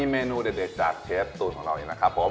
โปรดติดตามตอนต่อไป